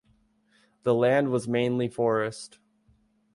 The land was mainly forest.